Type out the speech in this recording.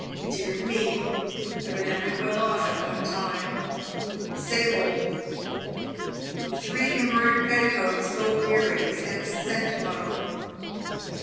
Dear me ! evidently well off at one time — sable !* Three embroidered petticoats, gold earrings, and scent bottle.'